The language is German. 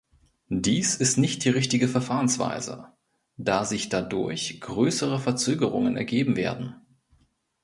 Dies ist nicht die richtige Verfahrensweise, da sich dadurch größere Verzögerungen ergeben werden.